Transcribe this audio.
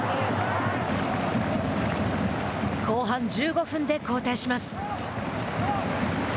後半１５分で交代します。